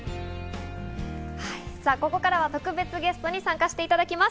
はい、ここからは特別ゲストに参加していただきます。